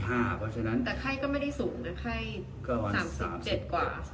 แต่ไข้ก็ไม่ได้สูงนะไข้๓๗กว่า